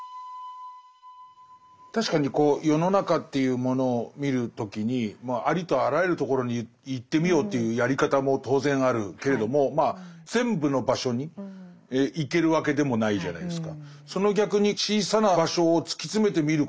確かにこう世の中というものを見る時にありとあらゆるところに行ってみよというやり方も当然あるけれども全部の場所に行けるわけでもないじゃないですか。